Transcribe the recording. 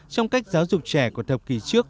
trong cách giáo dục trẻ của thập kỷ trước